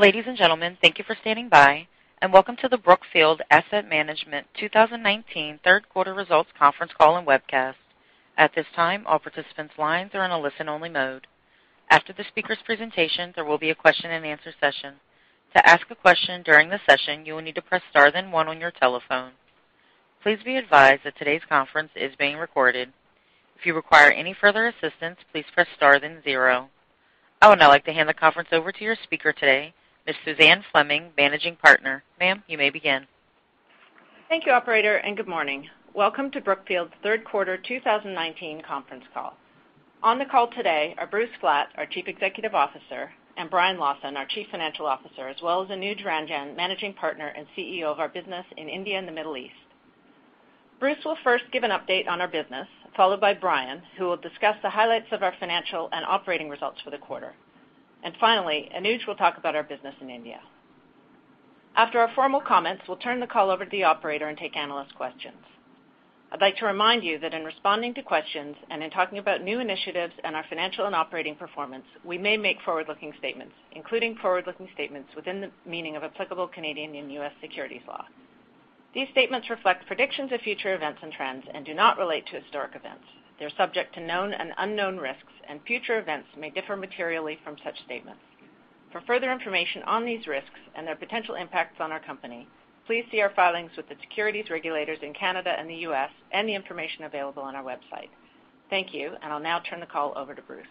Ladies and gentlemen, thank you for standing by and welcome to the Brookfield Asset Management 2019 third quarter results conference call and webcast. At this time, all participants' lines are in a listen-only mode. After the speaker's presentation, there will be a question and answer session. To ask a question during the session, you will need to press star then one on your telephone. Please be advised that today's conference is being recorded. If you require any further assistance, please press star then zero. I would now like to hand the conference over to your speaker today, Ms. Suzanne Fleming, Managing Partner. Ma'am, you may begin. Thank you, operator, and good morning. Welcome to Brookfield's third quarter 2019 conference call. On the call today are Bruce Flatt, our Chief Executive Officer, and Brian Lawson, our Chief Financial Officer, as well as Anuj Ranjan, Managing Partner and CEO of our business in India and the Middle East. Bruce will first give an update on our business, followed by Brian, who will discuss the highlights of our financial and operating results for the quarter. Finally, Anuj will talk about our business in India. After our formal comments, we'll turn the call over to the operator and take analyst questions. I'd like to remind you that in responding to questions and in talking about new initiatives and our financial and operating performance, we may make forward-looking statements, including forward-looking statements within the meaning of applicable Canadian and U.S. securities law. These statements reflect predictions of future events and trends and do not relate to historic events. They are subject to known and unknown risks, and future events may differ materially from such statements. For further information on these risks and their potential impacts on our company, please see our filings with the securities regulators in Canada and the U.S. and the information available on our website. Thank you, and I'll now turn the call over to Bruce.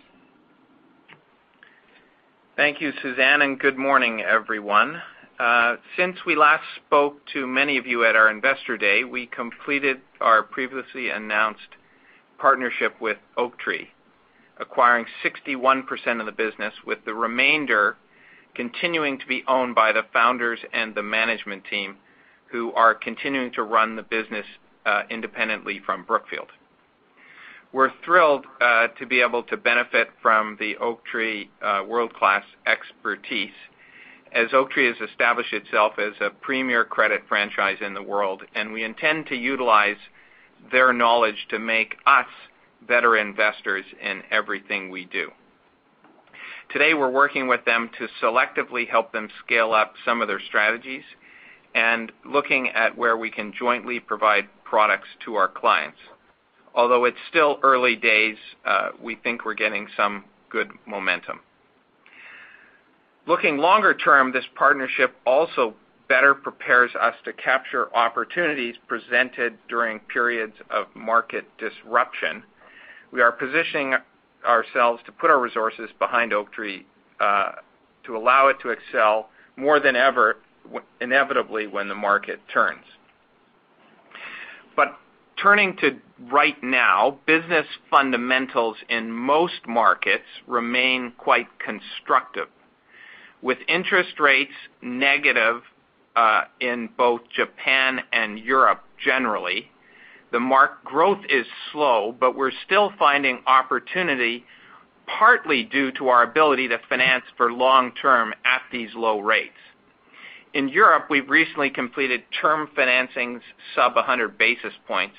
Thank you, Suzanne. Good morning, everyone. Since we last spoke to many of you at our investor day, we completed our previously announced partnership with Oaktree, acquiring 61% of the business, with the remainder continuing to be owned by the founders and the management team, who are continuing to run the business independently from Brookfield. We're thrilled to be able to benefit from the Oaktree world-class expertise as Oaktree has established itself as a premier credit franchise in the world. We intend to utilize their knowledge to make us better investors in everything we do. Today, we're working with them to selectively help them scale up some of their strategies and looking at where we can jointly provide products to our clients. Although it's still early days, we think we're getting some good momentum. Looking longer term, this partnership also better prepares us to capture opportunities presented during periods of market disruption. We are positioning ourselves to put our resources behind Oaktree to allow it to excel more than ever inevitably when the market turns. Turning to right now, business fundamentals in most markets remain quite constructive. With interest rates negative in both Japan and Europe generally, the market growth is slow, but we're still finding opportunity, partly due to our ability to finance for long term at these low rates. In Europe, we've recently completed term financings sub 100 basis points.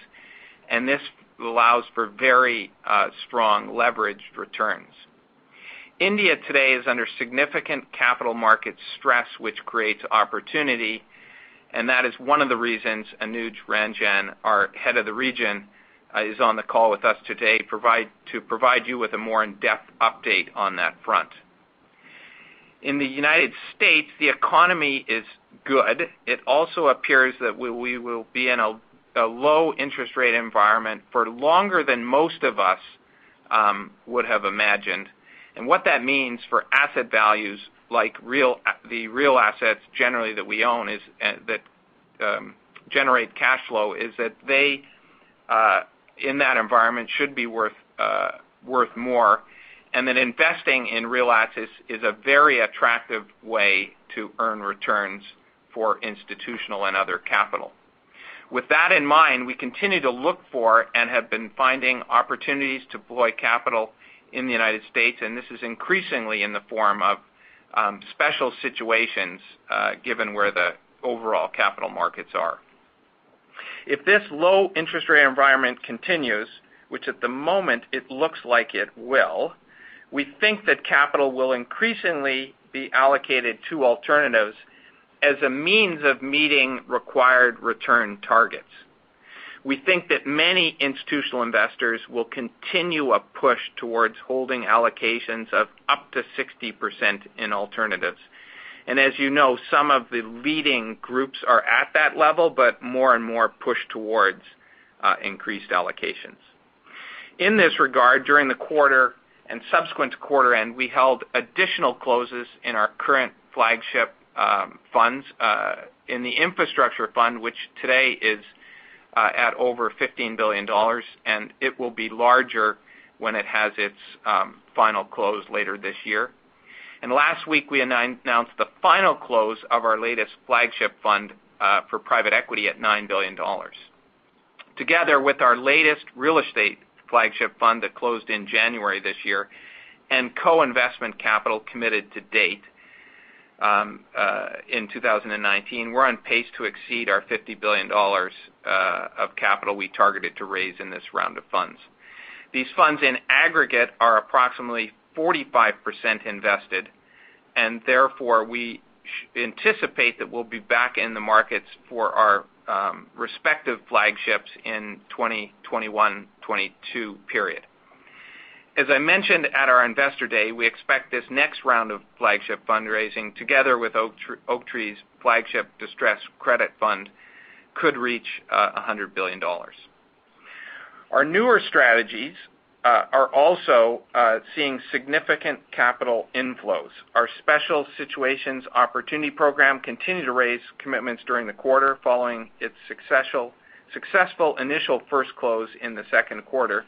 This allows for very strong leveraged returns. India today is under significant capital market stress, which creates opportunity. That is one of the reasons Anuj Ranjan, our head of the region, is on the call with us today to provide you with a more in-depth update on that front. In the U.S., the economy is good. It also appears that we will be in a low interest rate environment for longer than most of us would have imagined. What that means for asset values like the real assets generally that we own that generate cash flow is that they in that environment should be worth more, and that investing in real assets is a very attractive way to earn returns for institutional and other capital. With that in mind, we continue to look for and have been finding opportunities to deploy capital in the U.S., and this is increasingly in the form of special situations given where the overall capital markets are. If this low interest rate environment continues, which at the moment it looks like it will, we think that capital will increasingly be allocated to alternatives as a means of meeting required return targets. We think that many institutional investors will continue a push towards holding allocations of up to 60% in alternatives. As you know, some of the leading groups are at that level, but more and more push towards increased allocations. In this regard, during the quarter and subsequent quarter end, we held additional closes in our current flagship funds in the infrastructure fund, which today is at over $15 billion, and it will be larger when it has its final close later this year. Last week, we announced the final close of our latest flagship fund for private equity at $9 billion. Together with our latest real estate flagship fund that closed in January this year and co-investment capital committed to date in 2019, we're on pace to exceed our $50 billion of capital we targeted to raise in this round of funds. These funds in aggregate are approximately 45% invested. Therefore, we anticipate that we'll be back in the markets for our respective flagships in 2021, 2022 period. As I mentioned at our investor day, we expect this next round of flagship fundraising together with Oaktree's flagship distressed credit fund could reach $100 billion. Our newer strategies are also seeing significant capital inflows. Our Special Situations Opportunity Program continued to raise commitments during the quarter following its successful initial first close in the second quarter.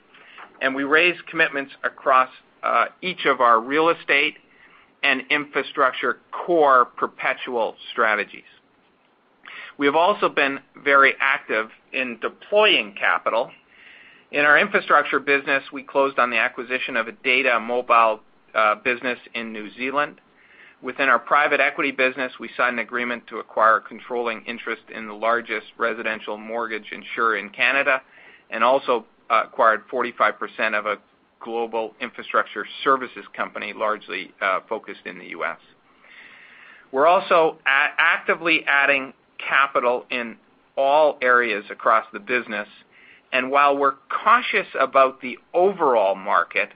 We raised commitments across each of our real estate and infrastructure core perpetual strategies. We have also been very active in deploying capital. In our infrastructure business, we closed on the acquisition of a data and mobile business in New Zealand. Within our private equity business, we signed an agreement to acquire a controlling interest in the largest residential mortgage insurer in Canada, and also acquired 45% of a global infrastructure services company, largely focused in the U.S. We're also actively adding capital in all areas across the business. While we're cautious about the overall market,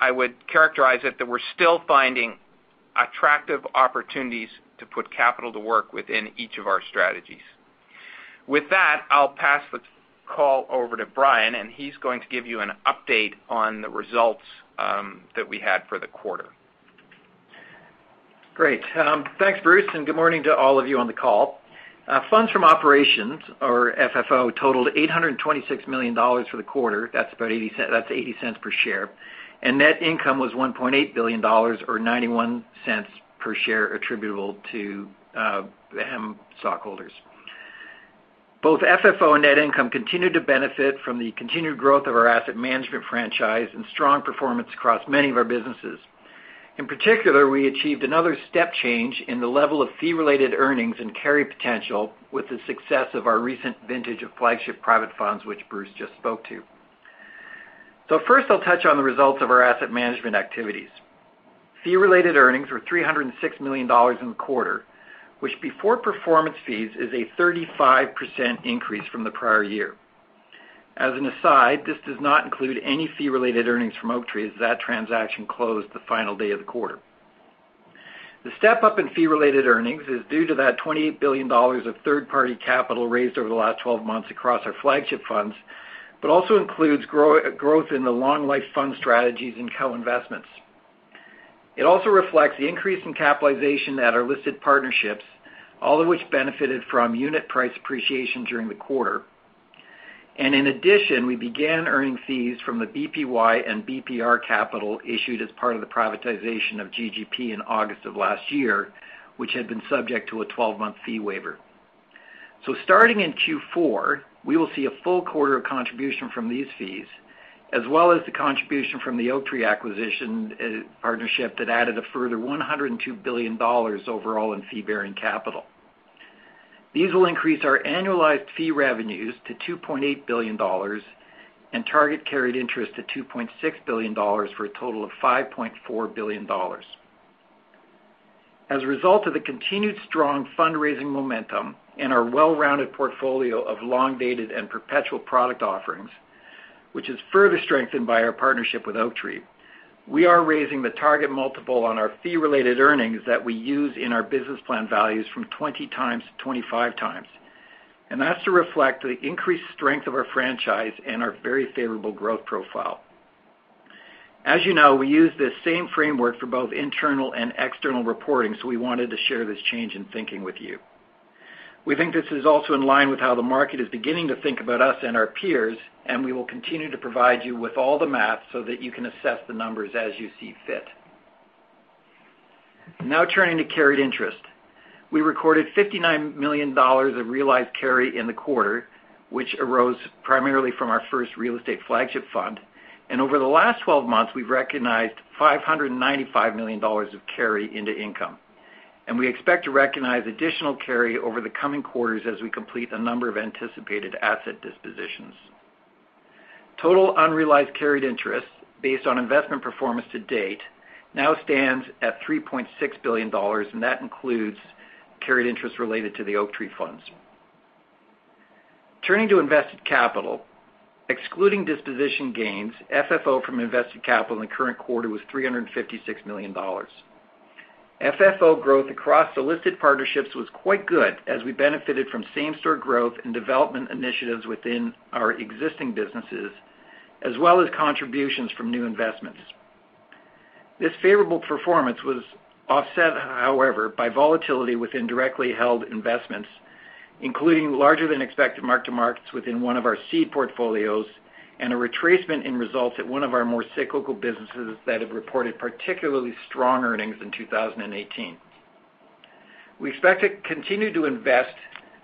I would characterize it that we're still finding attractive opportunities to put capital to work within each of our strategies. With that, I'll pass the call over to Brian, and he's going to give you an update on the results that we had for the quarter. Great. Thanks, Bruce, good morning to all of you on the call. Funds from operations or FFO totaled $826 million for the quarter. That's $0.80 per share. Net income was $1.8 billion or $0.91 per share attributable to the stockholders. Both FFO and net income continued to benefit from the continued growth of our asset management franchise and strong performance across many of our businesses. In particular, we achieved another step change in the level of fee-related earnings and carry potential with the success of our recent vintage of flagship private funds, which Bruce just spoke to. First, I'll touch on the results of our asset management activities. Fee-related earnings were $306 million in the quarter, which before performance fees is a 35% increase from the prior year. As an aside, this does not include any fee-related earnings from Oaktree, as that transaction closed the final day of the quarter. The step-up in fee-related earnings is due to that $28 billion of third-party capital raised over the last 12 months across our flagship funds, but also includes growth in the long life fund strategies and co-investments. It also reflects the increase in capitalization at our listed partnerships, all of which benefited from unit price appreciation during the quarter. In addition, we began earning fees from the BPY and BPR capital issued as part of the privatization of GGP in August of last year, which had been subject to a 12-month fee waiver. Starting in Q4, we will see a full quarter of contribution from these fees, as well as the contribution from the Oaktree acquisition partnership that added a further $102 billion overall in fee-bearing capital. These will increase our annualized fee revenues to $2.8 billion and target carried interest to $2.6 billion for a total of $5.4 billion. As a result of the continued strong fundraising momentum and our well-rounded portfolio of long-dated and perpetual product offerings, which is further strengthened by our partnership with Oaktree, we are raising the target multiple on our fee-related earnings that we use in our business plan values from 20 times to 25 times. That's to reflect the increased strength of our franchise and our very favorable growth profile. As you know, we use this same framework for both internal and external reporting, we wanted to share this change in thinking with you. We think this is also in line with how the market is beginning to think about us and our peers, and we will continue to provide you with all the math so that you can assess the numbers as you see fit. Now turning to carried interest. We recorded $59 million of realized carry in the quarter, which arose primarily from our first real estate flagship fund. Over the last 12 months, we've recognized $595 million of carry into income. We expect to recognize additional carry over the coming quarters as we complete a number of anticipated asset dispositions. Total unrealized carried interest, based on investment performance to date, now stands at $3.6 billion, and that includes carried interest related to the Oaktree funds. Turning to invested capital. Excluding disposition gains, FFO from invested capital in the current quarter was $356 million. FFO growth across the listed partnerships was quite good as we benefited from same-store growth and development initiatives within our existing businesses, as well as contributions from new investments. This favorable performance was offset, however, by volatility within directly held investments, including larger than expected mark-to-markets within one of our seed portfolios and a retracement in results at one of our more cyclical businesses that have reported particularly strong earnings in 2018. We expect to continue to invest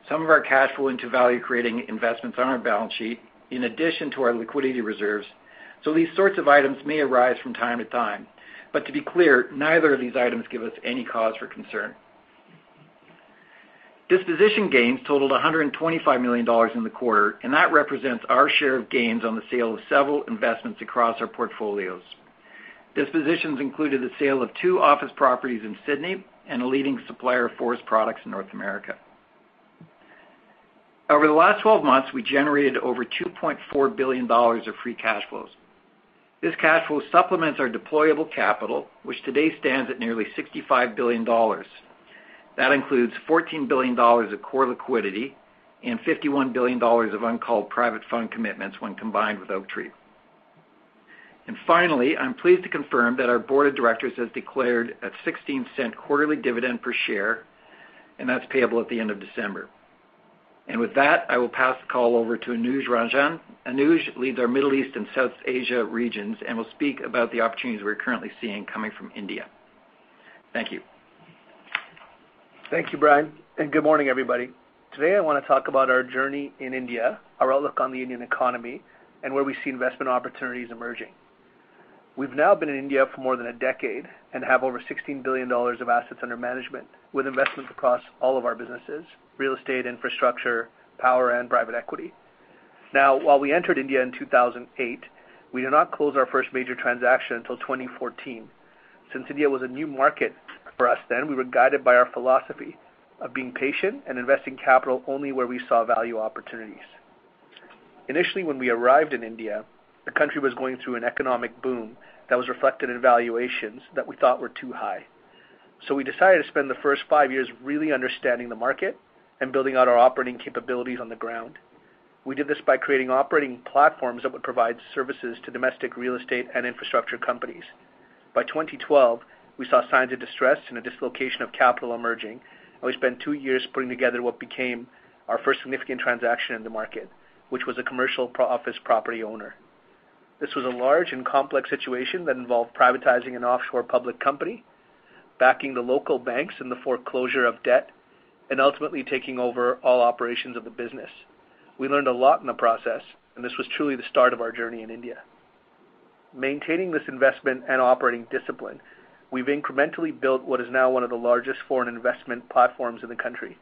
some of our cash flow into value-creating investments on our balance sheet, in addition to our liquidity reserves. These sorts of items may arise from time to time. To be clear, neither of these items give us any cause for concern. Disposition gains totaled $125 million in the quarter. That represents our share of gains on the sale of several investments across our portfolios. Dispositions included the sale of two office properties in Sydney and a leading supplier of forest products in North America. Over the last 12 months, we generated over $2.4 billion of free cash flows. This cash flow supplements our deployable capital, which today stands at nearly $65 billion. That includes $14 billion of core liquidity and $51 billion of uncalled private fund commitments when combined with Oaktree. Finally, I'm pleased to confirm that our board of directors has declared a $0.16 quarterly dividend per share, and that's payable at the end of December. With that, I will pass the call over to Anuj Ranjan. Anuj leads our Middle East and South Asia regions and will speak about the opportunities we're currently seeing coming from India. Thank you. Thank you, Brian. Good morning, everybody. Today, I want to talk about our journey in India, our outlook on the Indian economy, and where we see investment opportunities emerging. We've now been in India for more than a decade and have over $16 billion of assets under management, with investments across all of our businesses: real estate, infrastructure, power, and private equity. While we entered India in 2008, we did not close our first major transaction until 2014. Since India was a new market for us then, we were guided by our philosophy of being patient and investing capital only where we saw value opportunities. Initially, when we arrived in India, the country was going through an economic boom that was reflected in valuations that we thought were too high. We decided to spend the first five years really understanding the market and building out our operating capabilities on the ground. We did this by creating operating platforms that would provide services to domestic real estate and infrastructure companies. By 2012, we saw signs of distress and a dislocation of capital emerging. We spent two years putting together what became our first significant transaction in the market, which was a commercial office property owner. This was a large and complex situation that involved privatizing an offshore public company, backing the local banks in the foreclosure of debt, and ultimately taking over all operations of the business. We learned a lot in the process. This was truly the start of our journey in India. Maintaining this investment and operating discipline, we've incrementally built what is now one of the largest foreign investment platforms in the country.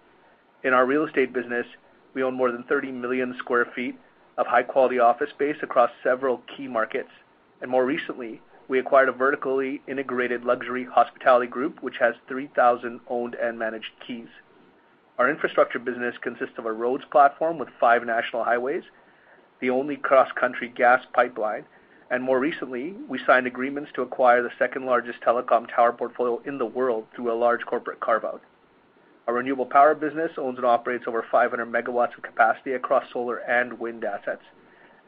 In our real estate business, we own more than 30 million sq ft of high-quality office space across several key markets. More recently, we acquired a vertically integrated luxury hospitality group, which has 3,000 owned and managed keys. Our infrastructure business consists of a roads platform with five national highways, the only cross-country gas pipeline. More recently, we signed agreements to acquire the second-largest telecom tower portfolio in the world through a large corporate carve-out. Our renewable power business owns and operates over 500 MW of capacity across solar and wind assets.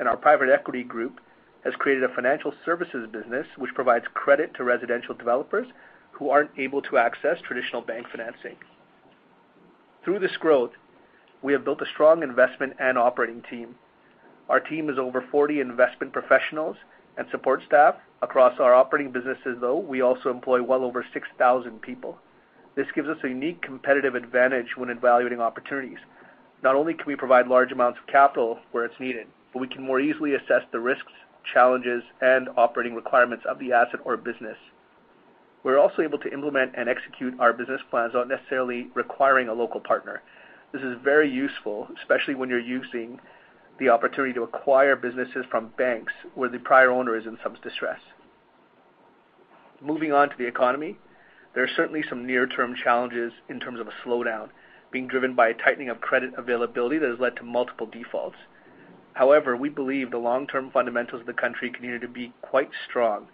Our private equity group has created a financial services business which provides credit to residential developers who aren't able to access traditional bank financing. Through this growth, we have built a strong investment and operating team. Our team is over 40 investment professionals and support staff. Across our operating businesses, though, we also employ well over 6,000 people. This gives us a unique competitive advantage when evaluating opportunities. Not only can we provide large amounts of capital where it's needed, but we can more easily assess the risks, challenges, and operating requirements of the asset or business. We're also able to implement and execute our business plans without necessarily requiring a local partner. This is very useful, especially when you're using the opportunity to acquire businesses from banks where the prior owner is in some distress. Moving on to the economy. There are certainly some near-term challenges in terms of a slowdown being driven by a tightening of credit availability that has led to multiple defaults. However, we believe the long-term fundamentals of the country continue to be quite strong,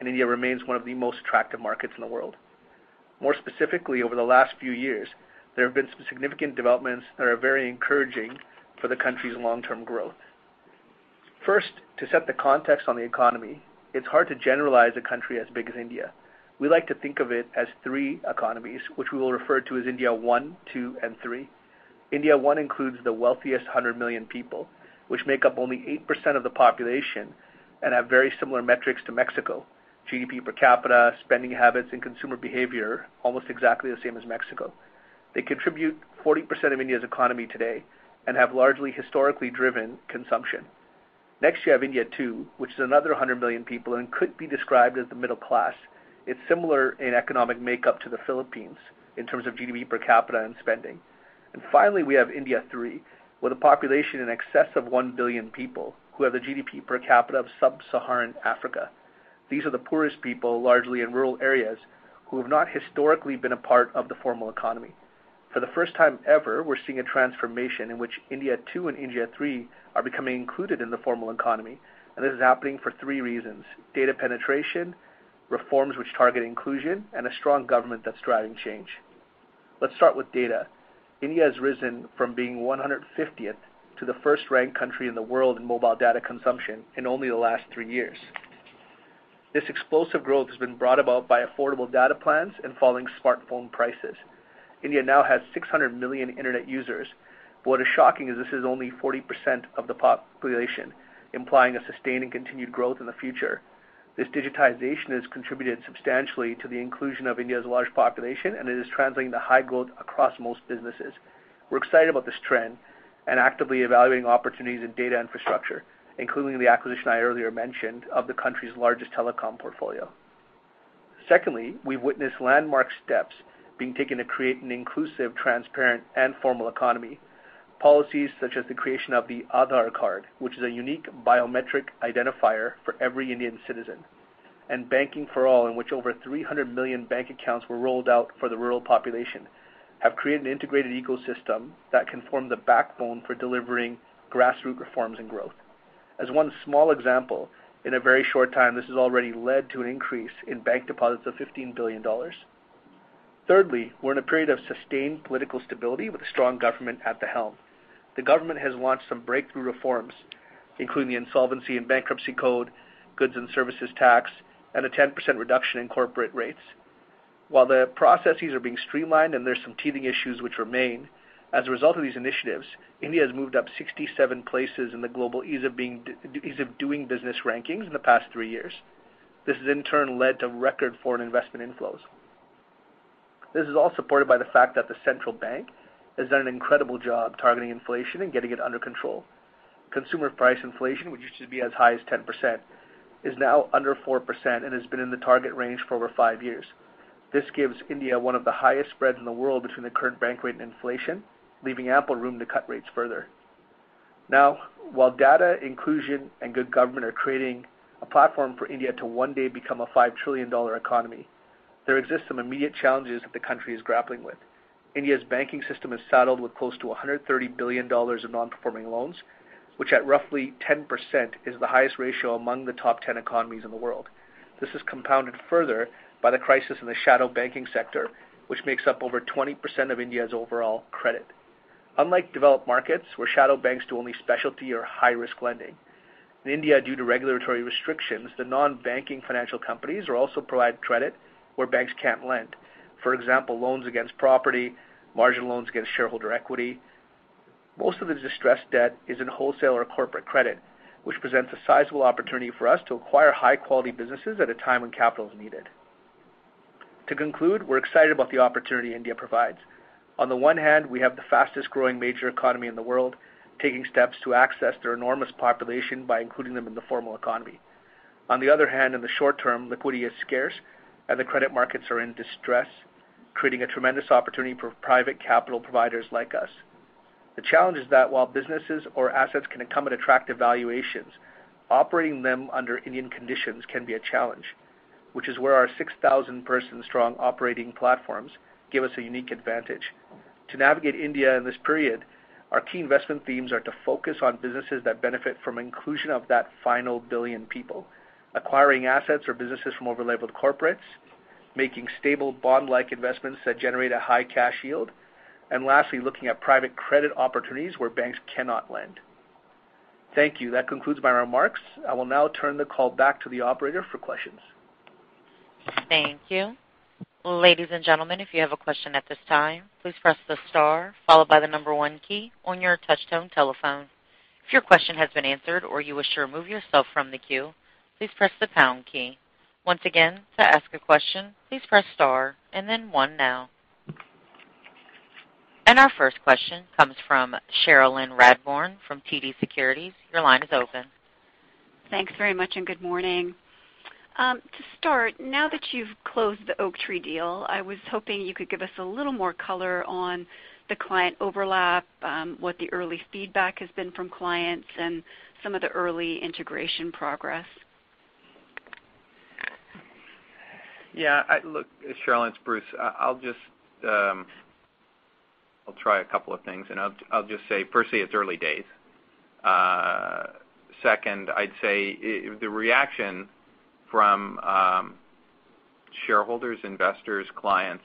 and India remains one of the most attractive markets in the world. More specifically, over the last few years, there have been some significant developments that are very encouraging for the country's long-term growth. First, to set the context on the economy, it's hard to generalize a country as big as India. We like to think of it as 3 economies, which we will refer to as India 1, 2, and 3. India 1 includes the wealthiest 100 million people, which make up only 8% of the population and have very similar metrics to Mexico. GDP per capita, spending habits, and consumer behavior, almost exactly the same as Mexico. They contribute 40% of India's economy today and have largely historically driven consumption. Next, you have India 2, which is another 100 million people and could be described as the middle class. It's similar in economic makeup to the Philippines in terms of GDP per capita and spending. Finally, we have India 3, with a population in excess of 1 billion people who have the GDP per capita of sub-Saharan Africa. These are the poorest people, largely in rural areas, who have not historically been a part of the formal economy. For the first time ever, we're seeing a transformation in which India 2 and India 3 are becoming included in the formal economy, and this is happening for three reasons: data penetration, reforms which target inclusion, and a strong government that's driving change. Let's start with data. India has risen from being 150th to the first-ranked country in the world in mobile data consumption in only the last three years. This explosive growth has been brought about by affordable data plans and falling smartphone prices. India now has 600 million internet users. What is shocking is this is only 40% of the population, implying a sustained and continued growth in the future. This digitization has contributed substantially to the inclusion of India's large population, and it is translating to high growth across most businesses. We're excited about this trend and actively evaluating opportunities in data infrastructure, including the acquisition I earlier mentioned of the country's largest telecom portfolio. Secondly, we've witnessed landmark steps being taken to create an inclusive, transparent, and formal economy. Policies such as the creation of the Aadhaar card, which is a unique biometric identifier for every Indian citizen, and Banking for All, in which over 300 million bank accounts were rolled out for the rural population, have created an integrated ecosystem that can form the backbone for delivering grassroot reforms and growth. As one small example, in a very short time, this has already led to an increase in bank deposits of $15 billion. Thirdly, we're in a period of sustained political stability with a strong government at the helm. The government has launched some breakthrough reforms, including the Insolvency and Bankruptcy Code, Goods and Services Tax, and a 10% reduction in corporate rates. While the processes are being streamlined and there's some teething issues which remain, as a result of these initiatives, India has moved up 67 places in the global Ease of Doing Business rankings in the past three years. This has, in turn, led to record foreign investment inflows. This is all supported by the fact that the central bank has done an incredible job targeting inflation and getting it under control. Consumer price inflation, which used to be as high as 10%, is now under 4% and has been in the target range for over five years. This gives India one of the highest spreads in the world between the current bank rate and inflation, leaving ample room to cut rates further. Now, while data inclusion and good government are creating a platform for India to one day become a $5 trillion economy, there exist some immediate challenges that the country is grappling with. India's banking system is saddled with close to $130 billion of non-performing loans, which at roughly 10%, is the highest ratio among the top 10 economies in the world. This is compounded further by the crisis in the shadow banking sector, which makes up over 20% of India's overall credit. Unlike developed markets, where shadow banks do only specialty or high-risk lending, in India, due to regulatory restrictions, the non-banking financial companies also provide credit where banks can't lend. For example, loans against property, margin loans against shareholder equity. Most of the distressed debt is in wholesale or corporate credit, which presents a sizable opportunity for us to acquire high-quality businesses at a time when capital is needed. To conclude, we're excited about the opportunity India provides. On the one hand, we have the fastest-growing major economy in the world, taking steps to access their enormous population by including them in the formal economy. On the other hand, in the short term, liquidity is scarce and the credit markets are in distress, creating a tremendous opportunity for private capital providers like us. The challenge is that while businesses or assets can come at attractive valuations, operating them under Indian conditions can be a challenge, which is where our 6,000-person strong operating platforms give us a unique advantage. To navigate India in this period, our key investment themes are to focus on businesses that benefit from inclusion of that final billion people, acquiring assets or businesses from overleveraged corporates, making stable bond-like investments that generate a high cash yield, and lastly, looking at private credit opportunities where banks cannot lend. Thank you. That concludes my remarks. I will now turn the call back to the operator for questions. Thank you. Ladies and gentlemen, if you have a question at this time, please press the star followed by the number one key on your touch-tone telephone. If your question has been answered or you wish to remove yourself from the queue, please press the pound key. Once again, to ask a question, please press star and then one now. Our first question comes from Cherilyn Radbourne from TD Securities. Your line is open. Thanks very much, and good morning. To start, now that you've closed the Oaktree deal, I was hoping you could give us a little more color on the client overlap, what the early feedback has been from clients, and some of the early integration progress. Cherilyn, it's Bruce. I'll try a couple of things, and I'll just say, firstly, it's early days. Second, I'd say the reaction from shareholders, investors, clients,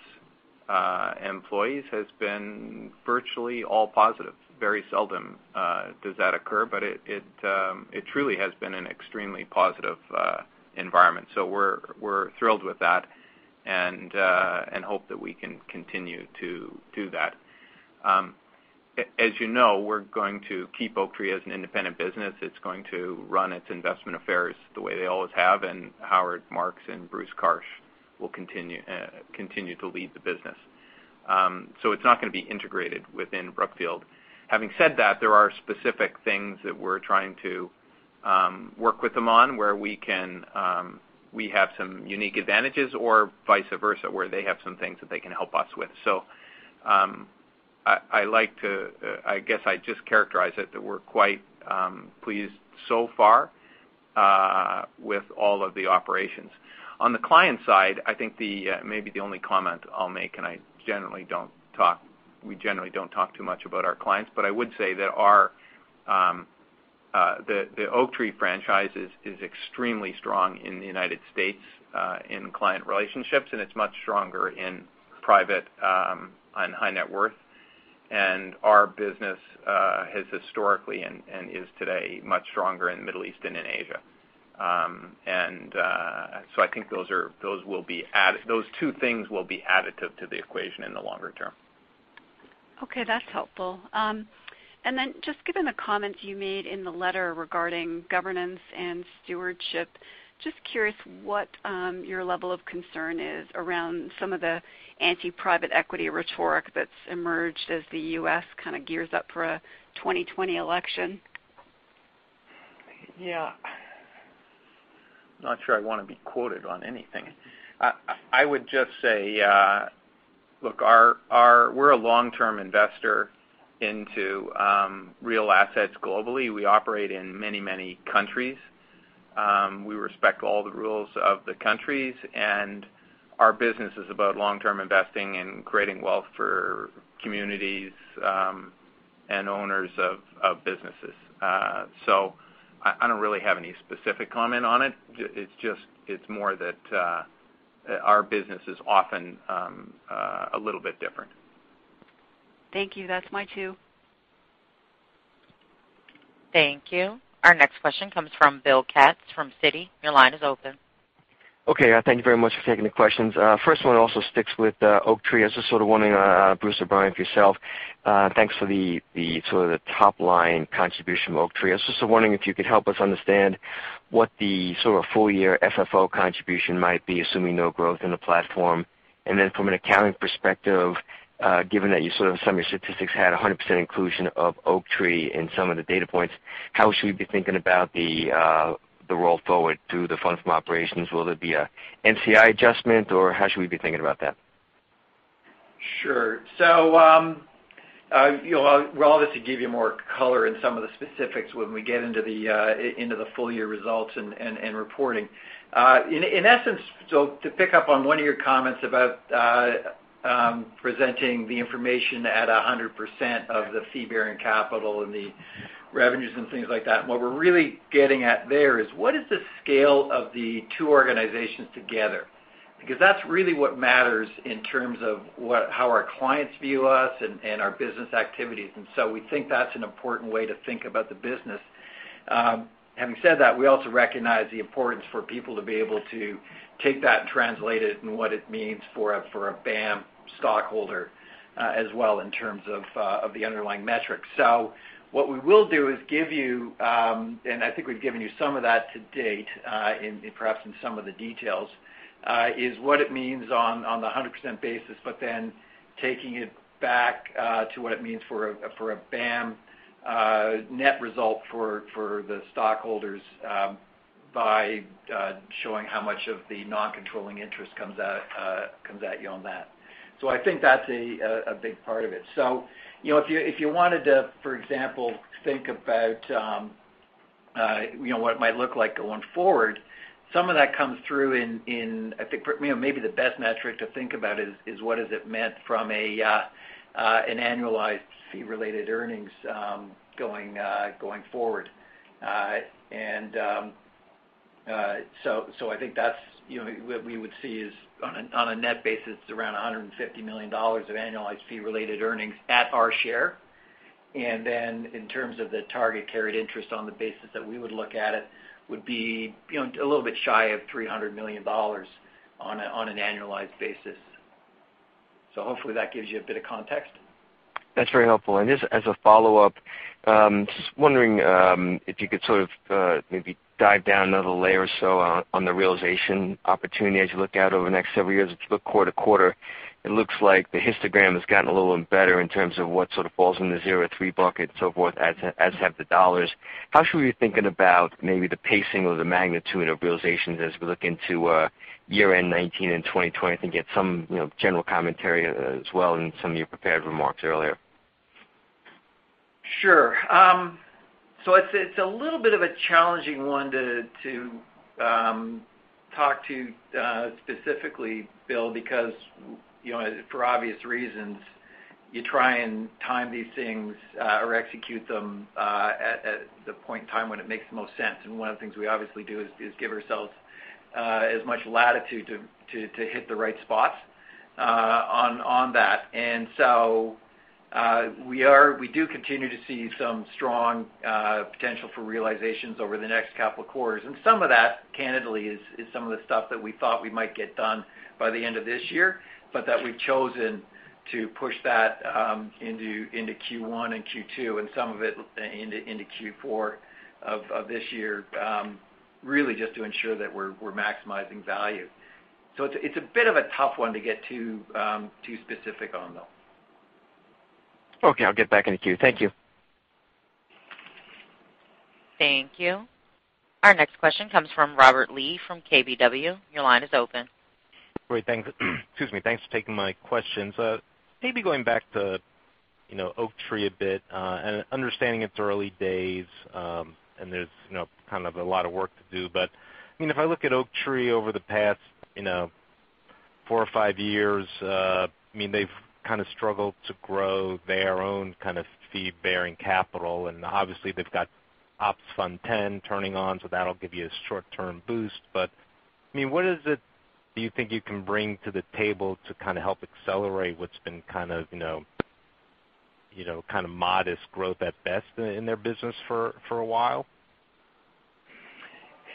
employees has been virtually all positive. Very seldom does that occur, but it truly has been an extremely positive environment. We're thrilled with that and hope that we can continue to do that. As you know, we're going to keep Oaktree as an independent business. It's going to run its investment affairs the way they always have, and Howard Marks and Bruce Karsh will continue to lead the business. It's not going to be integrated within Brookfield. Having said that, there are specific things that we're trying to work with them on where we have some unique advantages or vice versa, where they have some things that they can help us with. I guess I'd just characterize it that we're quite pleased so far with all of the operations. On the client side, I think maybe the only comment I'll make, and we generally don't talk too much about our clients, but I would say that the Oaktree franchise is extremely strong in the United States in client relationships, and it's much stronger in private and high net worth. Our business has historically, and is today, much stronger in the Middle East and in Asia. I think those two things will be additive to the equation in the longer term. Okay. That's helpful. Then just given the comments you made in the letter regarding governance and stewardship, just curious what your level of concern is around some of the anti-private equity rhetoric that's emerged as the U.S. kind of gears up for a 2020 election? Yeah. I'm not sure I want to be quoted on anything. I would just say, look, we're a long-term investor into real assets globally. We operate in many, many countries. We respect all the rules of the countries, and our business is about long-term investing and creating wealth for communities and owners of businesses. I don't really have any specific comment on it. It's more that our business is often a little bit different. Thank you. That's mine too. Thank you. Our next question comes from Bill Katz from Citi. Your line is open. Okay. Thank you very much for taking the questions. First one also sticks with Oaktree. I was just sort of wondering, Bruce or Brian for yourself, thanks for the sort of top-line contribution from Oaktree. I was just wondering if you could help us understand what the sort of full-year FFO contribution might be, assuming no growth in the platform. From an accounting perspective, given that you sort of in some of your statistics had 100% inclusion of Oaktree in some of the data points, how should we be thinking about the roll forward through the fund from operations? Will there be an NCI adjustment, or how should we be thinking about that? Sure. We'll obviously give you more color in some of the specifics when we get into the full-year results and reporting. In essence, to pick up on one of your comments about presenting the information at 100% of the fee-bearing capital and the revenues and things like that, what we're really getting at there is, what is the scale of the two organizations together? Because that's really what matters in terms of how our clients view us and our business activities. We think that's an important way to think about the business. Having said that, we also recognize the importance for people to be able to take that and translate it in what it means for a BAM stockholder as well, in terms of the underlying metrics. What we will do is give you, and I think we've given you some of that to date, perhaps in some of the details, is what it means on the 100% basis. Taking it back to what it means for a BAM net result for the stockholders by showing how much of the non-controlling interest comes at you on that. I think that's a big part of it. If you wanted to, for example, think about what it might look like going forward, some of that comes through in, I think maybe the best metric to think about is what has it meant from an annualized fee-related earnings going forward. I think that's what we would see is on a net basis, around $150 million of annualized fee-related earnings at our share. In terms of the target carried interest on the basis that we would look at it would be a little bit shy of $300 million on an annualized basis. Hopefully that gives you a bit of context. That's very helpful. Just as a follow-up, just wondering if you could sort of maybe dive down another layer or so on the realization opportunity as you look out over the next several years. If you look quarter to quarter, it looks like the histogram has gotten a little better in terms of what sort of falls in the 0-3 bucket and so forth, as have the dollars. How should we be thinking about maybe the pacing or the magnitude of realizations as we look into year-end 2019 and 2020? I think you had some general commentary as well in some of your prepared remarks earlier. Sure. It's a little bit of a challenging one to talk to specifically, Bill, because for obvious reasons, you try and time these things or execute them at the point in time when it makes the most sense. One of the things we obviously do is give ourselves as much latitude to hit the right spots on that. We do continue to see some strong potential for realizations over the next couple of quarters. Some of that, candidly, is some of the stuff that we thought we might get done by the end of this year, but that we've chosen to push that into Q1 and Q2 and some of it into Q4 of this year. Really just to ensure that we're maximizing value. It's a bit of a tough one to get too specific on, though. Okay. I'll get back in the queue. Thank you. Thank you. Our next question comes from Robert Lee from KBW. Your line is open. Great. Thanks. Excuse me. Thanks for taking my questions. Understanding it's early days, and there's kind of a lot of work to do. If I look at Oaktree over the past four or five years, they've kind of struggled to grow their own kind of fee-bearing capital, and obviously they've got Opp Fund 10 turning on, so that'll give you a short-term boost. What is it do you think you can bring to the table to kind of help accelerate what's been kind of modest growth at best in their business for a while?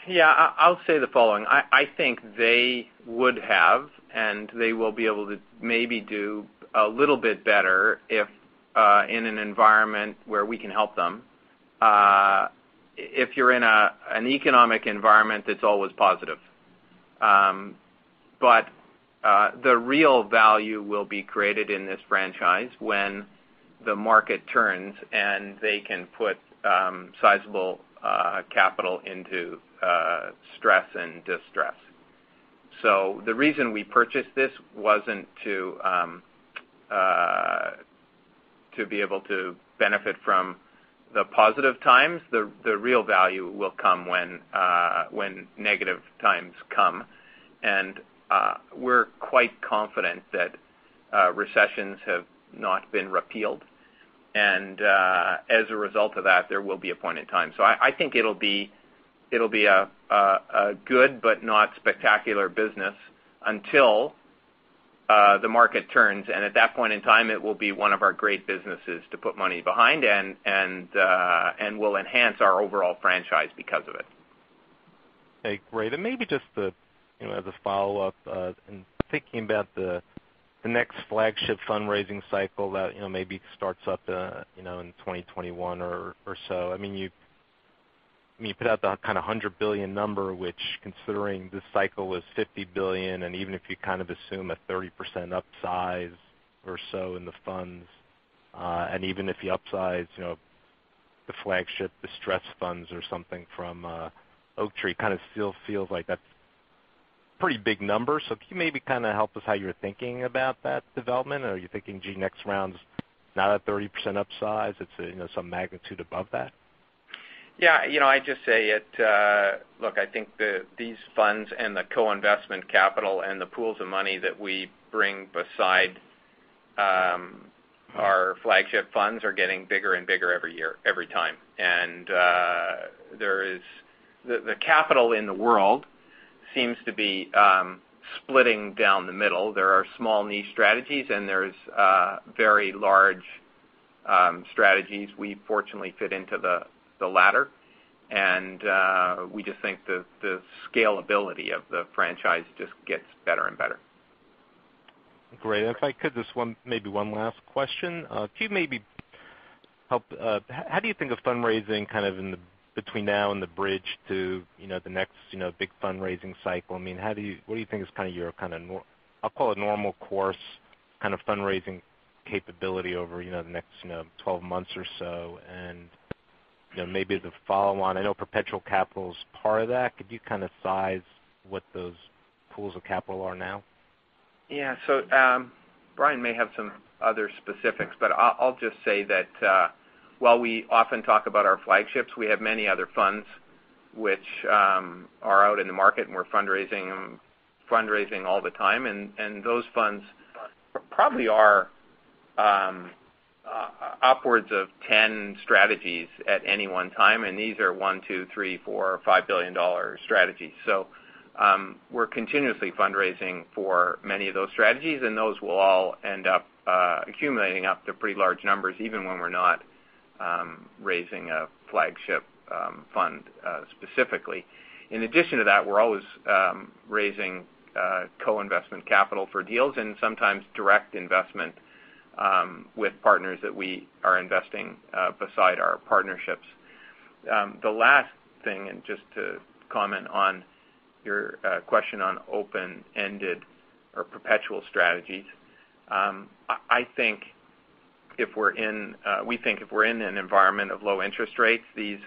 Yeah. I'll say the following. I think they would have, and they will be able to maybe do a little bit better if in an environment where we can help them. If you're in an economic environment that's always positive. The real value will be created in this franchise when the market turns and they can put sizable capital into stress and distress. The reason we purchased this wasn't to be able to benefit from the positive times. The real value will come when negative times come. We're quite confident that recessions have not been repealed, and as a result of that, there will be a point in time. I think it'll be a good but not spectacular business until the market turns, and at that point in time, it will be one of our great businesses to put money behind and will enhance our overall franchise because of it. Okay, great. Maybe just as a follow-up, in thinking about the next flagship fundraising cycle that maybe starts up in 2021 or so. You put out that kind of $100 billion number, which considering this cycle was $50 billion, and even if you kind of assume a 30% upsize or so in the funds, and even if you upsize the flagship distressed funds or something from Oaktree, kind of still feels like that's a pretty big number. Can you maybe kind of help us how you're thinking about that development? Are you thinking, gee, next round's not a 30% upsize, it's some magnitude above that? Yeah. Look, I think these funds and the co-investment capital and the pools of money that we bring beside our flagship funds are getting bigger and bigger every year, every time. The capital in the world seems to be splitting down the middle. There are small niche strategies, and there's very large strategies. We fortunately fit into the latter. We just think the scalability of the franchise just gets better and better. Great. If I could, just maybe one last question. How do you think of fundraising kind of between now and the bridge to the next big fundraising cycle? What do you think is your, I'll call it normal course kind of fundraising capability over the next 12 months or so? Maybe as a follow-on, I know perpetual capital's part of that. Could you kind of size what those pools of capital are now? Yeah. Brian may have some other specifics, but I'll just say that while we often talk about our flagships, we have many other funds which are out in the market, and we're fundraising all the time. Those funds probably are upwards of 10 strategies at any one time, and these are $1 billion, $2 billion, $3 billion, $4 billion, $5 billion strategies. We're continuously fundraising for many of those strategies, and those will all end up accumulating up to pretty large numbers, even when we're not raising a flagship fund specifically. In addition to that, we're always raising co-investment capital for deals and sometimes direct investment with partners that we are investing beside our partnerships. The last thing, and just to comment on your question on open-ended or perpetual strategies. We think if we're in an environment of low interest rates, these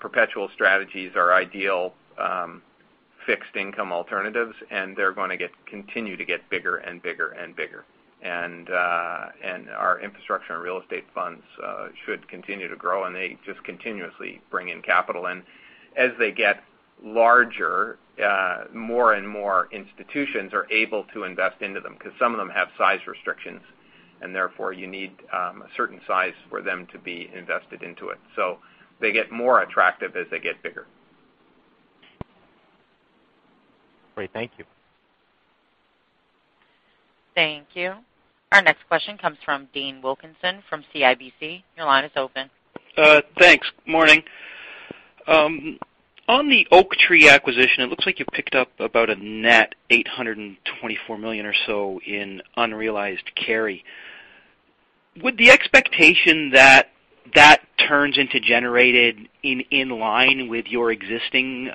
perpetual strategies are ideal fixed income alternatives, and they're going to continue to get bigger and bigger and bigger. Our infrastructure and real estate funds should continue to grow, and they just continuously bring in capital. As they get larger, more and more institutions are able to invest into them, because some of them have size restrictions, and therefore you need a certain size for them to be invested into it. They get more attractive as they get bigger. Great. Thank you. Thank you. Our next question comes from Dean Wilkinson from CIBC. Your line is open. Thanks. Morning. On the Oaktree acquisition, it looks like you picked up about a net $824 million or so in unrealized carry. Would the expectation that that turns into generated in line with your existing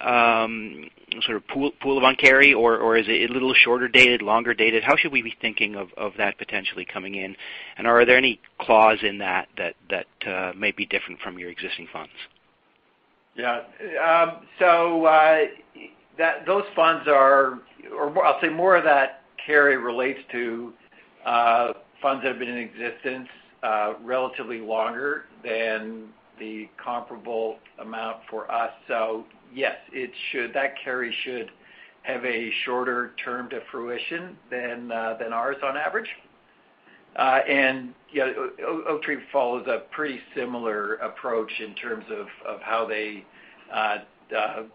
sort of pool of unrealized carry or is it a little shorter dated, longer dated? How should we be thinking of that potentially coming in? Are there any clause in that that may be different from your existing funds? Yeah. I'll say more of that carry relates to funds that have been in existence relatively longer than the comparable amount for us. Yes, that carry should have a shorter term to fruition than ours on average. Oaktree follows a pretty similar approach in terms of how they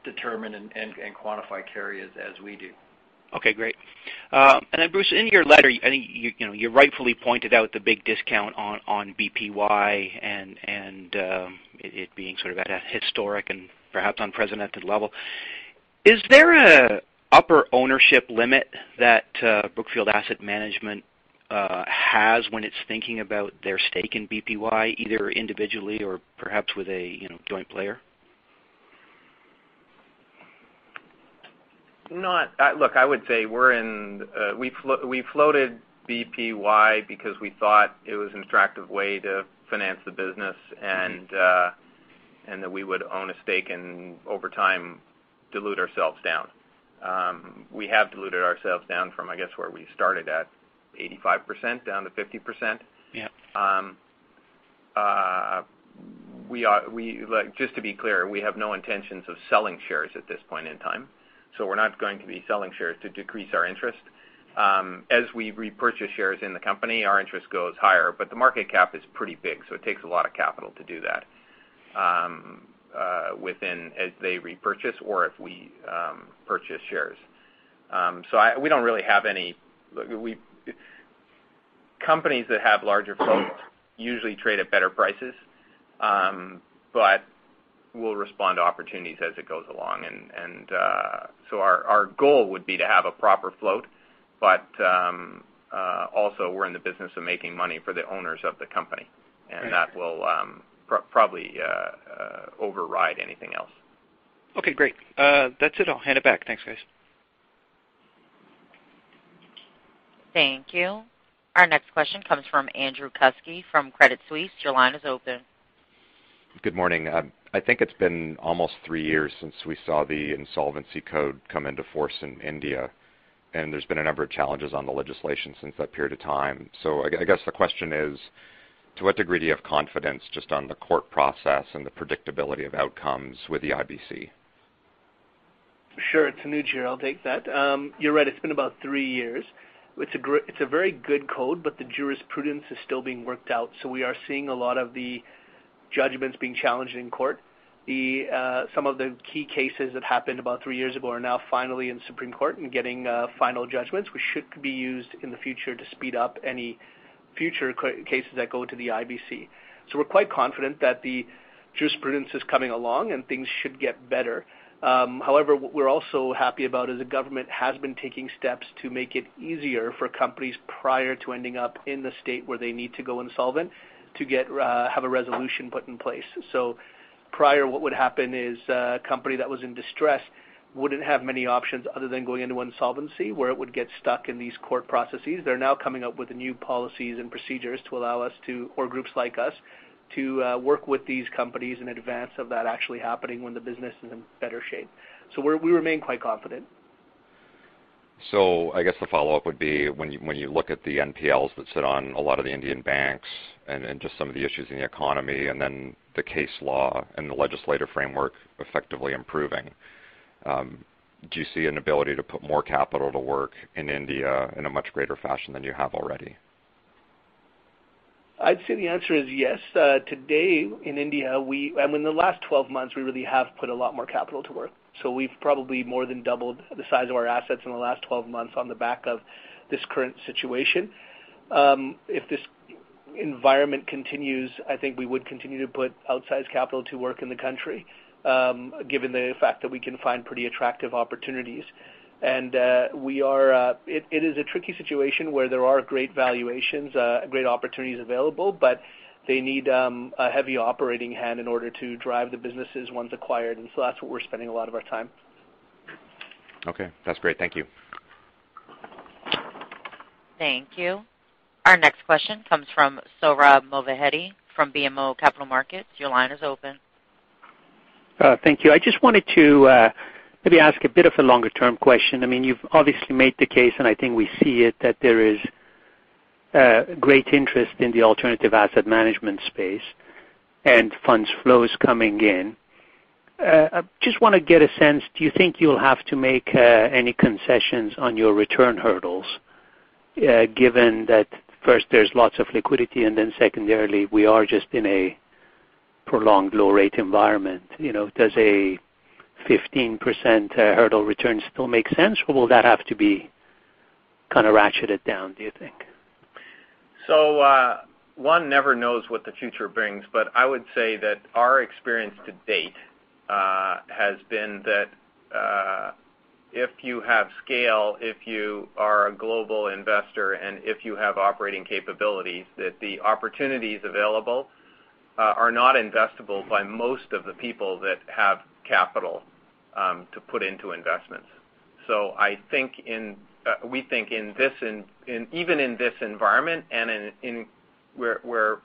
determine and quantify carry as we do. Okay, great. Bruce, in your letter, I think you rightfully pointed out the big discount on BPY and it being sort of at a historic and perhaps unprecedented level. Is there an upper ownership limit that Brookfield Asset Management has when it's thinking about their stake in BPY, either individually or perhaps with a joint player? Look, I would say we floated BPY because we thought it was an attractive way to finance the business and that we would own a stake and over time, dilute ourselves down. We have diluted ourselves down from, I guess where we started at 85% down to 50%. Yeah. Just to be clear, we have no intentions of selling shares at this point in time, so we're not going to be selling shares to decrease our interest. As we repurchase shares in the company, our interest goes higher, but the market cap is pretty big, so it takes a lot of capital to do that as they repurchase or if we purchase shares. Companies that have larger floats usually trade at better prices, but we'll respond to opportunities as it goes along. Our goal would be to have a proper float. Also we're in the business of making money for the owners of the company, and that will probably override anything else. Okay, great. That's it. I'll hand it back. Thanks, guys. Thank you. Our next question comes from Andrew Kuske from Credit Suisse. Your line is open. Good morning. I think it's been almost three years since we saw the Insolvency Code come into force in India, and there's been a number of challenges on the legislation since that period of time. I guess the question is, to what degree do you have confidence just on the court process and the predictability of outcomes with the IBC? Sure. It's Anuj here. I'll take that. You're right, it's been about three years. It's a very good code, but the jurisprudence is still being worked out, so we are seeing a lot of the judgments being challenged in court. Some of the key cases that happened about three years ago are now finally in Supreme Court and getting final judgments, which should be used in the future to speed up any future cases that go to the IBC. We're quite confident that the jurisprudence is coming along and things should get better. However, what we're also happy about is the government has been taking steps to make it easier for companies prior to ending up in the state where they need to go insolvent to have a resolution put in place. Prior, what would happen is a company that was in distress wouldn't have many options other than going into insolvency, where it would get stuck in these court processes. They're now coming up with new policies and procedures to allow us to, or groups like us, to work with these companies in advance of that actually happening when the business is in better shape. We remain quite confident. I guess the follow-up would be when you look at the NPLs that sit on a lot of the Indian banks and just some of the issues in the economy and then the case law and the legislative framework effectively improving, do you see an ability to put more capital to work in India in a much greater fashion than you have already? I'd say the answer is yes. Today in India, in the last 12 months, we really have put a lot more capital to work. We've probably more than doubled the size of our assets in the last 12 months on the back of this current situation. If this environment continues, I think we would continue to put outsized capital to work in the country, given the fact that we can find pretty attractive opportunities. It is a tricky situation where there are great valuations, great opportunities available, but they need a heavy operating hand in order to drive the businesses once acquired. That's where we're spending a lot of our time. Okay, that's great. Thank you. Thank you. Our next question comes from Sohrab Movahedi from BMO Capital Markets. Your line is open. Thank you. I just wanted to maybe ask a bit of a longer-term question. You've obviously made the case, and I think we see it, that there is great interest in the alternative asset management space and funds flows coming in. I just want to get a sense, do you think you'll have to make any concessions on your return hurdles given that first there's lots of liquidity and then secondarily, we are just in a prolonged low-rate environment? Does a 15% hurdle return still make sense, or will that have to be kind of ratcheted down, do you think? One never knows what the future brings, but I would say that our experience to date has been that if you have scale, if you are a global investor, and if you have operating capabilities, that the opportunities available are not investable by most of the people that have capital to put into investments. We think even in this environment and where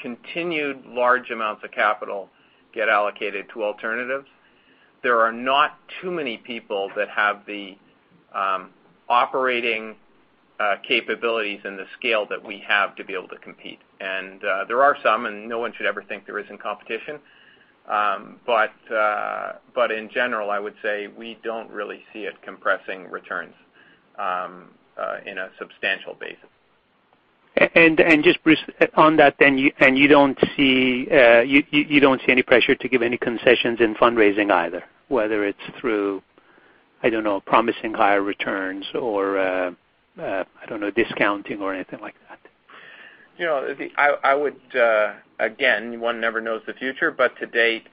continued large amounts of capital get allocated to alternatives, there are not too many people that have the operating capabilities and the scale that we have to be able to compete. There are some, and no one should ever think there isn't competition. In general, I would say we don't really see it compressing returns in a substantial basis. Just briefly on that, you don't see any pressure to give any concessions in fundraising either, whether it's through, I don't know, promising higher returns or, I don't know, discounting or anything like that? One never knows the future, to date,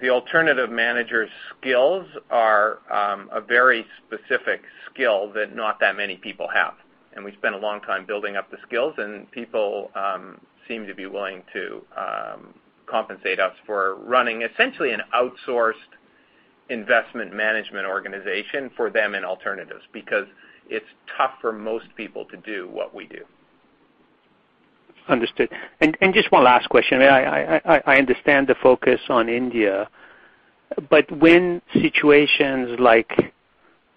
the alternative managers' skills are a very specific skill that not that many people have. We've spent a long time building up the skills, and people seem to be willing to compensate us for running essentially an outsourced investment management organization for them in alternatives, because it's tough for most people to do what we do. Understood. Just one last question. I understand the focus on India, when situations like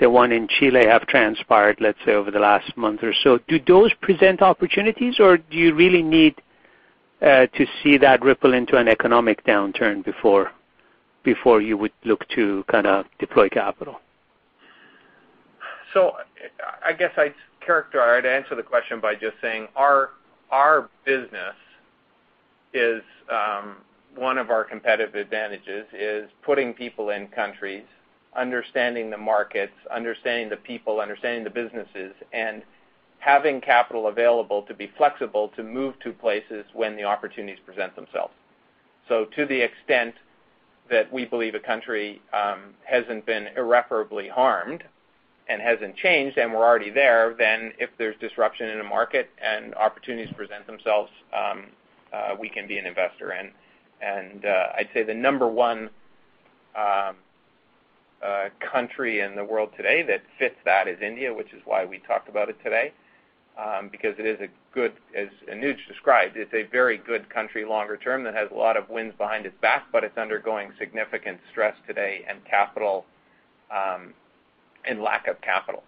the one in Chile have transpired, let's say, over the last month or so, do those present opportunities, or do you really need to see that ripple into an economic downturn before you would look to deploy capital? I guess I'd answer the question by just saying our business is one of our competitive advantages is putting people in countries, understanding the markets, understanding the people, understanding the businesses, and having capital available to be flexible to move to places when the opportunities present themselves. To the extent that we believe a country hasn't been irreparably harmed and hasn't changed, and we're already there, then if there's disruption in a market and opportunities present themselves, we can be an investor in. I'd say the number one country in the world today that fits that is India, which is why we talked about it today. As Anuj described, it's a very good country longer term that has a lot of wind behind its back, but it's undergoing significant stress today and lack of capital.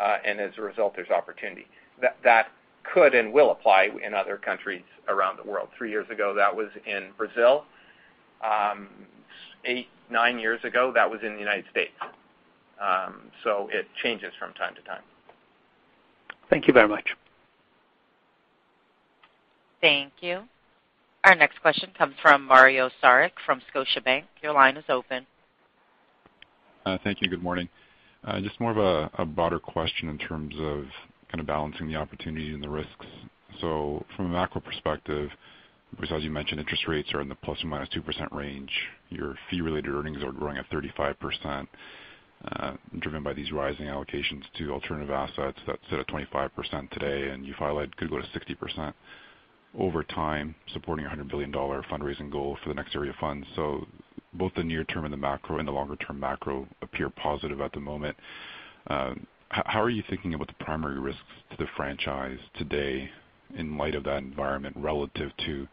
As a result, there's opportunity. That could and will apply in other countries around the world. Three years ago, that was in Brazil. Eight, nine years ago, that was in the U.S. It changes from time to time. Thank you very much. Thank you. Our next question comes from Mario Saric from Scotiabank. Your line is open. Thank you. Good morning. Just more of a broader question in terms of balancing the opportunity and the risks. From a macro perspective, Brazil, as you mentioned, interest rates are in the ±2% range. Your fee-related earnings are growing at 35%, driven by these rising allocations to alternative assets that sit at 25% today, and you highlight could go to 60% over time, supporting a $100 billion fundraising goal for the next area of funds. Both the near term and the macro and the longer term macro appear positive at the moment. How are you thinking about the primary risks to the franchise today in light of that environment relative to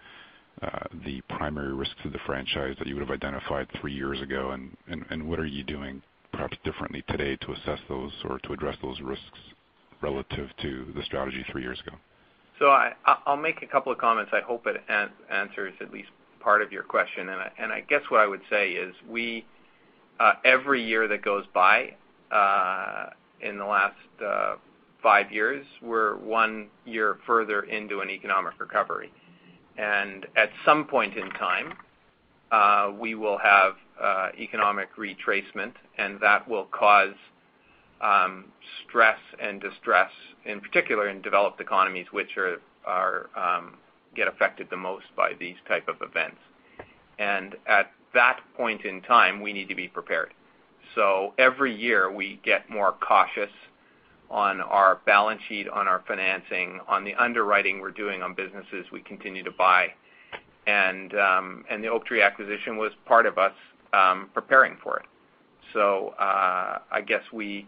the primary risks of the franchise that you would have identified three years ago, and what are you doing perhaps differently today to assess those or to address those risks relative to the strategy three years ago? I'll make a couple of comments. I hope it answers at least part of your question. I guess what I would say is every year that goes by in the last five years, we're one year further into an economic recovery. At some point in time, we will have economic retracement, and that will cause stress and distress, in particular in developed economies, which get affected the most by these type of events. At that point in time, we need to be prepared. Every year, we get more cautious on our balance sheet, on our financing, on the underwriting we're doing on businesses we continue to buy. The Oaktree acquisition was part of us preparing for it. I guess we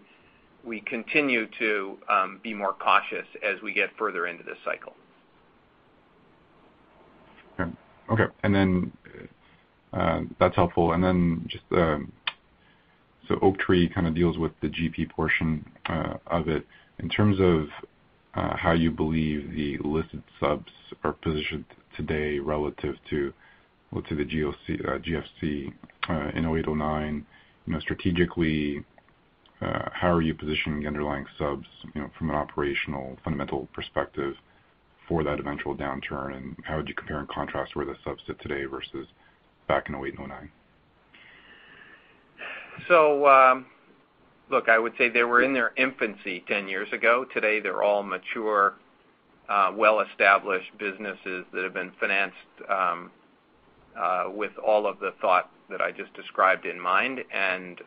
continue to be more cautious as we get further into this cycle. Okay. That's helpful. Oaktree kind of deals with the GP portion of it. In terms of how you believe the listed subs are positioned today relative to the GFC in 2008, 2009, strategically, how are you positioning the underlying subs from an operational fundamental perspective for that eventual downturn, and how would you compare and contrast where the subs sit today versus back in 2008 and 2009? Look, I would say they were in their infancy 10 years ago. Today, they're all mature, well-established businesses that have been financed with all of the thought that I just described in mind and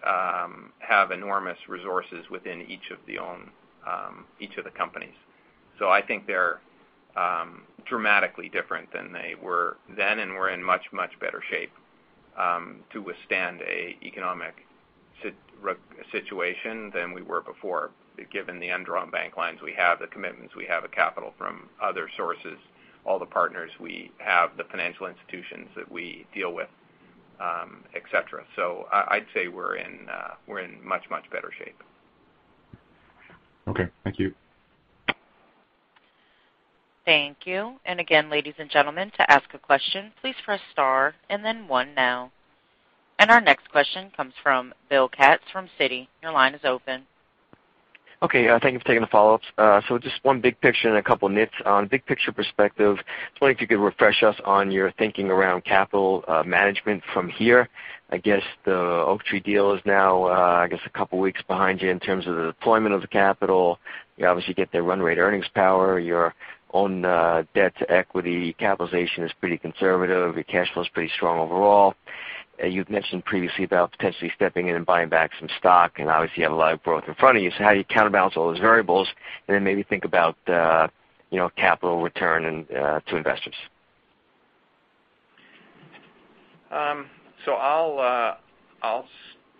have enormous resources within each of the companies. I think they're dramatically different than they were then, and we're in much, much better shape to withstand an economic situation than we were before, given the undrawn bank lines we have, the commitments we have of capital from other sources, all the partners we have, the financial institutions that we deal with, et cetera. I'd say we're in much, much better shape. Okay. Thank you. Thank you. Again, ladies and gentlemen, to ask a question, please press star and then one now. Our next question comes from Bill Katz from Citi. Your line is open. Okay, thank you for taking the follow-ups. Just one big picture and a couple nits. On big picture perspective, just wondering if you could refresh us on your thinking around capital management from here. I guess the Oaktree deal is now a couple of weeks behind you in terms of the deployment of the capital. You obviously get their run rate earnings power. Your own debt-to-equity capitalization is pretty conservative. Your cash flow is pretty strong overall. You've mentioned previously about potentially stepping in and buying back some stock, and obviously you have a lot of growth in front of you. How do you counterbalance all those variables, and then maybe think about capital return to investors? I'll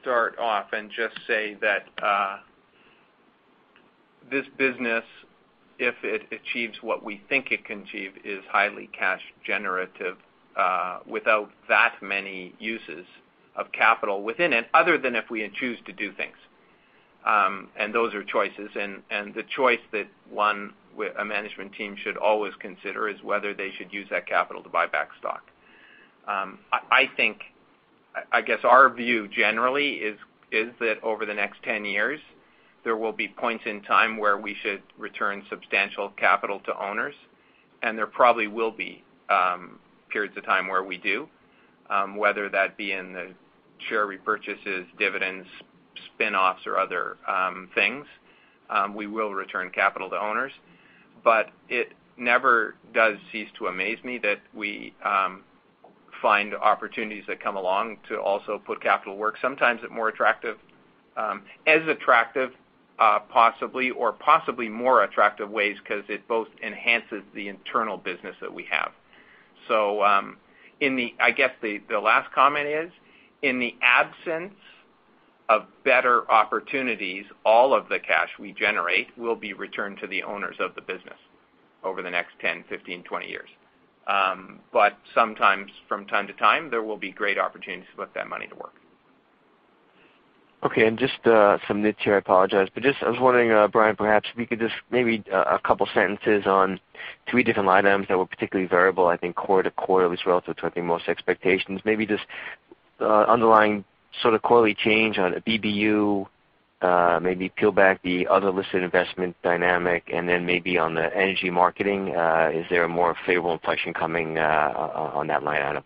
start off and just say that this business, if it achieves what we think it can achieve, is highly cash generative without that many uses of capital within it, other than if we choose to do things. Those are choices, and the choice that one, a management team should always consider is whether they should use that capital to buy back stock. I guess our view generally is that over the next 10 years, there will be points in time where we should return substantial capital to owners, and there probably will be periods of time where we do. Whether that be in the share repurchases, dividends, spin-offs, or other things, we will return capital to owners. It never does cease to amaze me that we find opportunities that come along to also put capital work. Sometimes at more attractive, as attractive possibly, or possibly more attractive ways because it both enhances the internal business that we have. I guess the last comment is, in the absence of better opportunities, all of the cash we generate will be returned to the owners of the business over the next 10, 15, 20 years. Sometimes from time to time, there will be great opportunities to put that money to work. Just some nits here, I apologize. Just I was wondering, Brian, perhaps if you could just maybe a couple sentences on three different line items that were particularly variable, I think quarter to quarter, at least relative to, I think, most expectations. Maybe just underlying sort of quarterly change on BBU, maybe peel back the other listed investment dynamic, and then maybe on the energy marketing. Is there a more favorable inflection coming on that line item?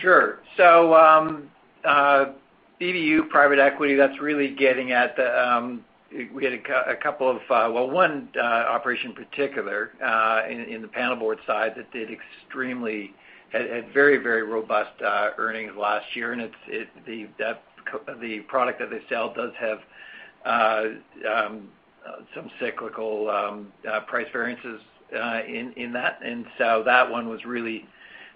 Sure. BBU private equity, we had a couple of-- well, one operation particular in the panelboard side that had very robust earnings last year, and the product that they sell does have some cyclical price variances in that. That one was really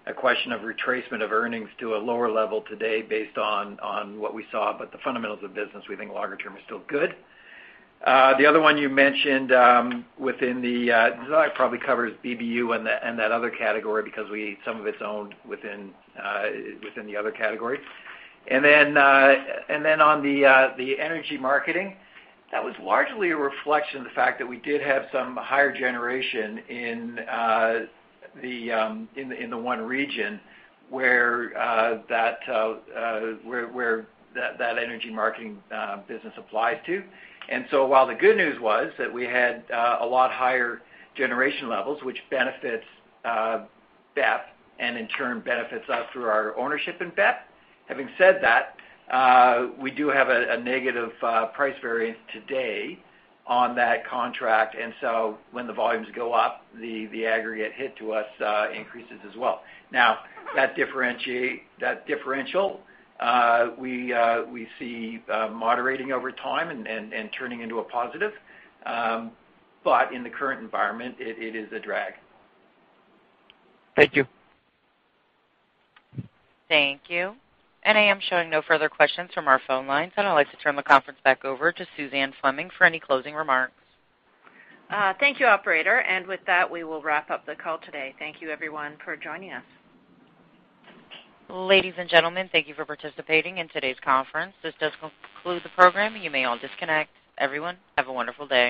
a question of retracement of earnings to a lower level today based on what we saw, but the fundamentals of business we think longer term are still good. The other one you mentioned within the-- that probably covers BBU and that other category because some of it is owned within the other category. On the energy marketing, that was largely a reflection of the fact that we did have some higher generation in the one region where that energy marketing business applies to. While the good news was that we had a lot higher generation levels, which benefits BEP and in turn benefits us through our ownership in BEP. Having said that, we do have a negative price variance today on that contract. When the volumes go up, the aggregate hit to us increases as well. Now, that differential we see moderating over time and turning into a positive. In the current environment, it is a drag. Thank you. Thank you. I am showing no further questions from our phone lines. I'd like to turn the conference back over to Suzanne Fleming for any closing remarks. Thank you, operator. With that, we will wrap up the call today. Thank you everyone for joining us. Ladies and gentlemen, thank you for participating in today's conference. This does conclude the program. You may all disconnect. Everyone, have a wonderful day.